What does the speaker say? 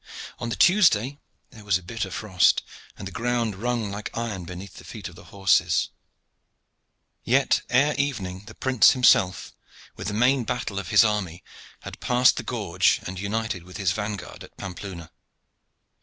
On the Tuesday there was a bitter frost, and the ground rung like iron beneath the feet of the horses; yet ere evening the prince himself, with the main battle of his army, had passed the gorge and united with his vanguard at Pampeluna.